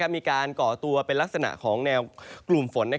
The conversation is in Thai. ก่อตัวเป็นลักษณะของแนวกลุ่มฝน